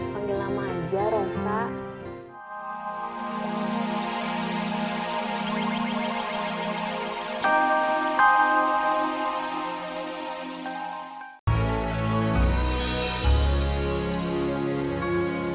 manggil lama aja roska